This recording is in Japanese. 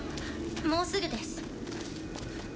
もうすぐです